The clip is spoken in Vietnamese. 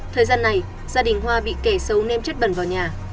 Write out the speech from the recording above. thời gian này gia đình hoa bị kẻ xấu nem chất bẩn vào nhà